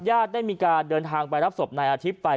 ญาติได้มีการเดินทางไปรับศพนายอาทิตย์ไป